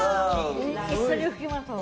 一緒に吹きましょう。